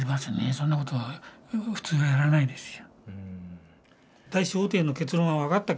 そんなことは普通はやらないですよ。